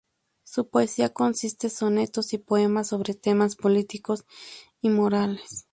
Su poesía consiste sonetos y poemas sobre temas políticos y morales.